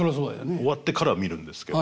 終わってから見るんですけど。